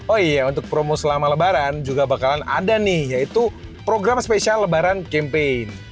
oh iya untuk promo selama lebaran juga bakalan ada nih yaitu program spesial lebaran campaign